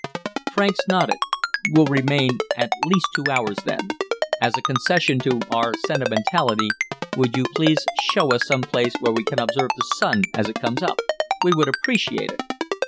"Dawn is coming in about two hours." Franks nodded. "We'll remain at least two hours, then. As a concession to our sentimentality, would you please show us some place where we can observe the Sun as it comes up? We would appreciate it."